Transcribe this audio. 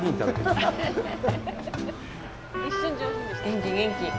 元気、元気！